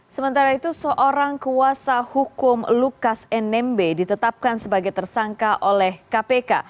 sementara itu seorang kuasa hukum lukas nmb ditetapkan sebagai tersangka oleh kpk